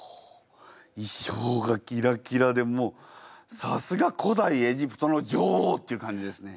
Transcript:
衣装がギラギラでもうさすが古代エジプトの女王っていう感じですね。